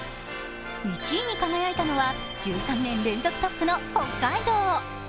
１位に輝いたのは１３年連続トップの北海道。